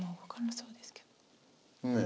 ねえ。